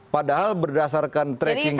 padahal berdasarkan tracking kita